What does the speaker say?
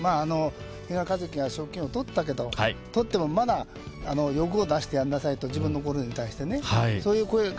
比嘉一貴が賞金王を取ったけれど、取っても、まだ欲を出してやりなさい、自分のゴルフに対して。